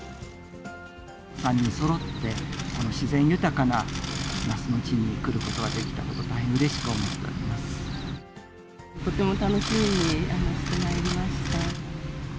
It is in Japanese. ３人そろって、自然豊かな那須の地に来ることができたこと、大変うれしく思ってとても楽しみにしてまいりました。